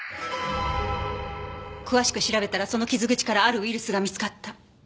詳しく調べたらその傷口からあるウイルスが見つかった。